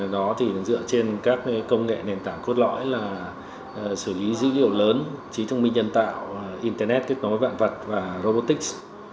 đó thì dựa trên các công nghệ nền tảng cốt lõi là xử lý dữ liệu lớn trí thông minh nhân tạo internet kết nối vạn vật và robotics